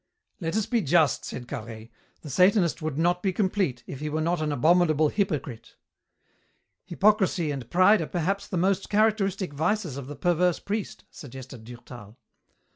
"Let us be just," said Carhaix. "The Satanist would not be complete if he were not an abominable hypocrite." "Hypocrisy and pride are perhaps the most characteristic vices of the perverse priest," suggested Durtal.